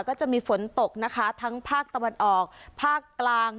ก็จะมีฝนตกนะคะทั้งภาคตะวันออกภาคกลาง